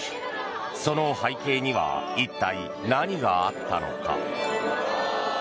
その背景には一体、何があったのか。